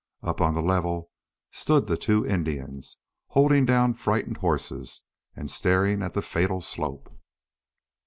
Up on the level stood the two Indians, holding down frightened horses, and staring at the fatal slope.